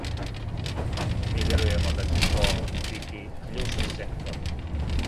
Ми верујемо да ће то бити кључни сектор.